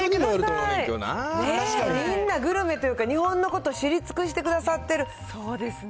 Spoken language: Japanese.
皆さん、みんなグルメというか、日本のこと知り尽くしてくださってる。